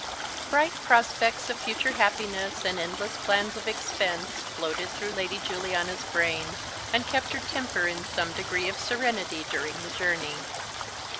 BRIGHT prospects of future happiness and endless plans of expense floated through Lady Juliana's brain, and kept her temper in some degree of serenity during the journey.